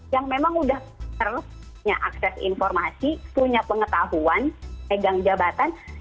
yang memang sudah punya akses informasi punya pengetahuan pegang jabatan